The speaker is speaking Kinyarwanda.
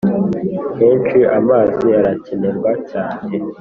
henshi amazi arakenerwa cyane.